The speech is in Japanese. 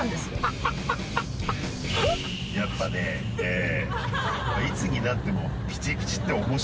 やっぱねええ